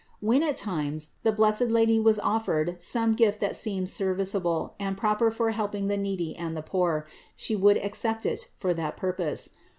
When at times THE INCARNATION 573 the blessed Lady was offered some gift that seemed serv iceable and proper for helping the needy and the poor, She would accept it for that purpose.